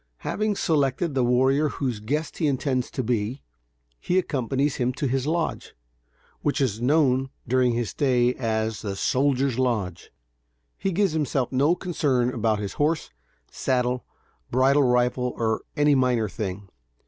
Having selected the warrior whose guest he intends to be, he accompanies him to his lodge, which is known during his stay as the "soldiers' lodge." He gives himself no concern about his horse, saddle, bridle rifle or any minor thing.